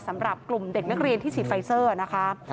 สำหรับกลุ่มเด็กนักเรียนที่ฉีดไฟเซอร์นะคะ